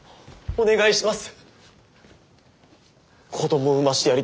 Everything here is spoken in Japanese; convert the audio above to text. お願いします！